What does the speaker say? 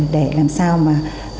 để làm sao mà